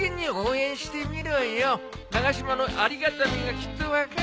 長嶋のありがたみがきっと分かる。